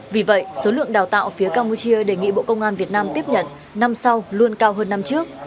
vì vậy số lượng đào tạo phía campuchia đề nghị bộ công an việt nam tiếp nhận năm sau luôn cao hơn năm trước